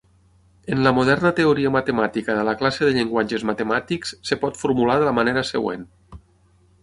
En la moderna teoria matemàtica de la classe de llenguatges matemàtics es pot formular de la manera següent.